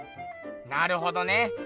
なるほどね。